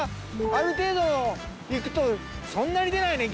ある程度行くとそんなに出ないね